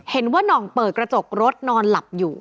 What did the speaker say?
หน่องเปิดกระจกรถนอนหลับอยู่